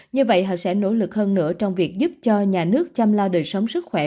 như vậy họ sẽ nỗ lực hơn nữa trong việc giúp cho nhà nước chăm lo đời sống sức khỏe